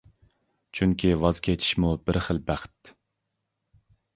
چۈنكى ۋاز كېچىشمۇ بىر خىل بەخت.